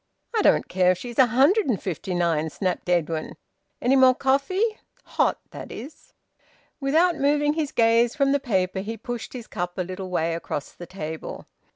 "I don't care if she's a hundred and fifty nine!" snapped Edwin. "Any more coffee? Hot, that is." Without moving his gaze from the paper, he pushed his cup a little way across the table.